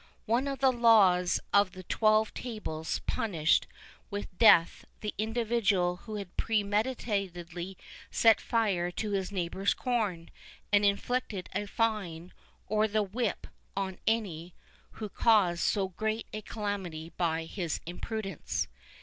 One of the laws of the twelve tables punished with death the individual who had premeditatedly set fire to his neighbour's corn; and inflicted a fine or the whip on any one who caused so great a calamity by his imprudence.